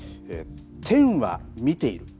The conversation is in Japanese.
天は見ている。